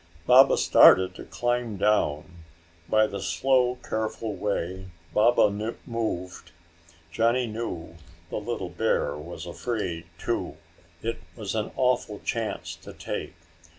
Baba started to climb down. By the slow careful way Baba moved, Johnny knew the little bear was afraid, too. It was an awful chance to take.